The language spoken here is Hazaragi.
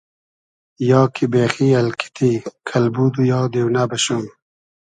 یا کی بېخی الکیتی , کئلبود و یا دېونۂ بئشوم